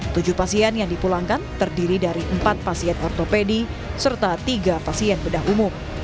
tujuh pasien yang dipulangkan terdiri dari empat pasien ortopedi serta tiga pasien bedah umum